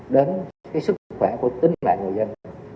đến cái sức khỏe của tính mạng người dân